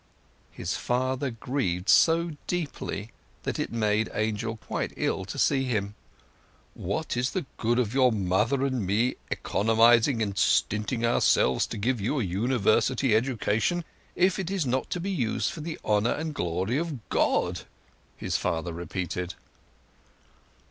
'" His father grieved so deeply that it made Angel quite ill to see him. "What is the good of your mother and me economizing and stinting ourselves to give you a University education, if it is not to be used for the honour and glory of God?" his father repeated.